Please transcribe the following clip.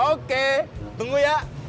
oke tunggu ya